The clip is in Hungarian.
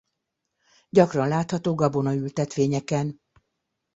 Gyakran látható gabona ültetvényeken.